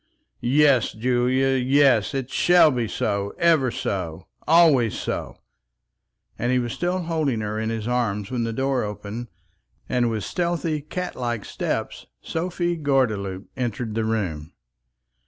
"Yes, Julia, yes; it shall be so; ever so, always so." And he was still holding her in his arms, when the door opened, and with stealthy, cat like steps Sophie Gordeloup entered the room.